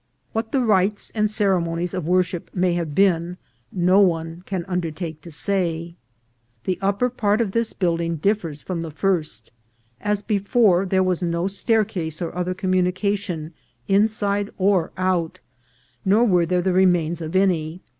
What the rites and ceremonies of worship may have been, no one can undertake to say. The upper part of this building differs from the first. As before, there was no staircase or other communica tion inside or out, nor were there the remains of any.